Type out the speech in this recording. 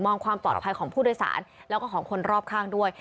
ความปลอดภัยของผู้โดยสารแล้วก็ของคนรอบข้างด้วย